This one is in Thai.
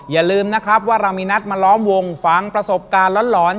อย่าลืมนะครับว่าเรามีนัดมาล้อมวงฟังประสบการณ์หลอน